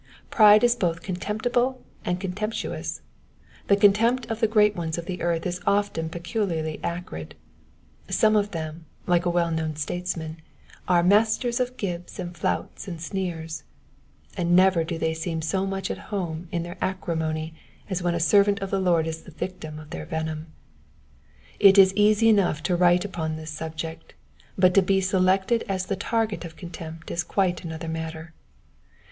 Pride is both contemptible and contemptuous. Thr contempt of the great ones of the earth is oft«n peculiarly acrid : some of them, like a well known statesman, are "masters of gibes and fouts and sneers," and never do they seem so much at home in their acrimony as when a servant of the Lord is the victim of their venom. It is easy enough to write upon this subject, but to be selected as the tareet of contempt is quite another matter.